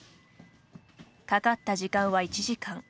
かかった時間は１時間。